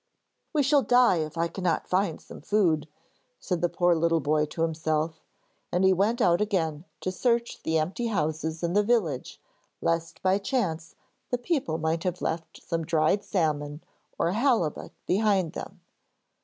]'We shall die if I cannot find some food,' said the poor little boy to himself, and he went out again to search the empty houses in the village, lest by chance the people might have left some dried salmon or a halibut behind them.